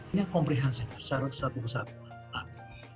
ini komprehensif secara satu kesatuan